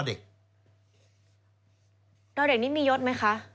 เด็กนี้มียศไหมคะ